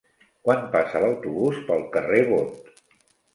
Quan passa l'autobús pel carrer Bot?